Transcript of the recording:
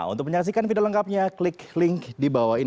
untuk menyaksikan video lengkapnya klik link di bawah ini